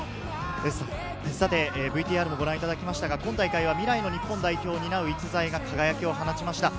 ＶＴＲもご覧いただきましたが、今大会は未来の日本代表を担う逸材が輝きを放ちました。